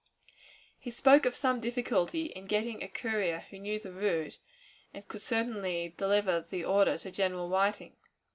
He spoke of some difficulty in getting a courier who knew the route and could certainly deliver the order to General Whiting.